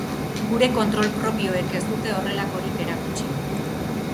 Gure kontrol propioek ez dute horrelakorik erakutsi.